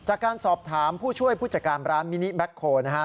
จากการสอบถามผู้ช่วยผู้จัดการร้านมินิแบ็คโฮลนะฮะ